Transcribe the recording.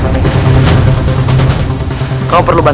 aku akan mengambilkan jika kau mau